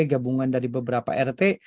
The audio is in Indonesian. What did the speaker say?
gabungan dari beberapa rt